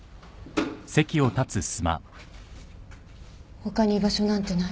他に居場所なんてない。